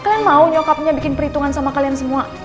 kalian mau nyokapnya bikin perhitungan sama kalian semua